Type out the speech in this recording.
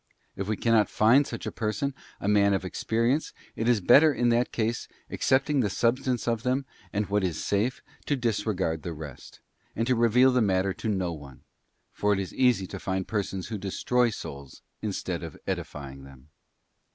If we cannot find such a person, a man of experience, it is better in that case, accepting the substance of them, and what is safe, to disregard the rest, and to reveal the matter to no one; for it is easy to find persons who destroy souls instead of edifying them.